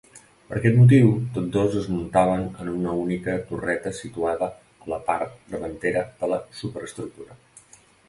Per aquest motiu, tots dos es muntaven en una única torreta situada a la part davantera de la superestructura.